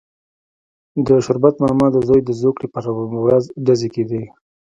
د شربت ماما د زوی د زوکړې پر ورځ ډزې کېدې.